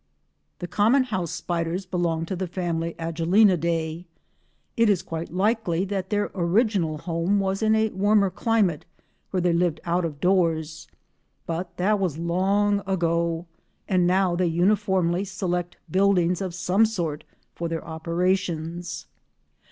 The common house spiders belong to the family Agelenidae. It is quite likely that their original home was in a warmer climate where they lived out of doors, but that was long ago, and now they uniformly select buildings of some sort for their operations.